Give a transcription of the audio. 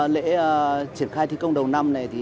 lễ triển khai thi công đầu năm này